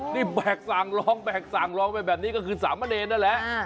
นี่แบกสางรองแบกสางรองแบบนี้ก็คือสามเมอเดนนั่นแหละ